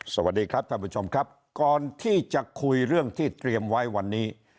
สวัสดีครับท่านผู้ชมครับก่อนที่จะคุยเรื่องที่เตรียมไว้วันนี้